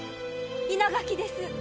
稲垣です。